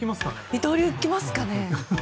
二刀流行きますかね？